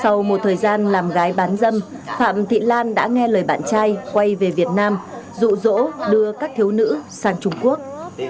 sau một thời gian làm gái bán dâm phạm thị lan đã nghe lời bạn trai quay về việt nam rụ rỗ đưa các thiếu nữ sang trung quốc